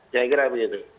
saya kira begitu